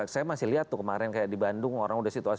saya masih lihat tuh kemarin kayak di bandung orang udah situasi